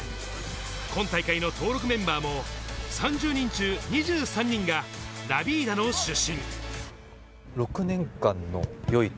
今大会の登録メンバーも、３０人中、２３人がラヴィーダの出身。